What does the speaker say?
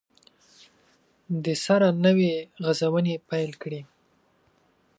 دسره نوي غزونې پیل کړي